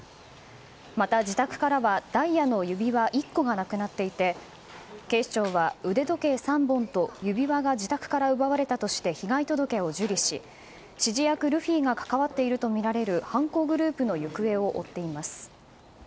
また、自宅からはダイヤの指輪１個がなくなっていて警視庁は、腕時計３本と指輪が自宅から奪われたとして被害届を受理し指示役ルフィが関わっているとみられる犯行グループの行方を追っています。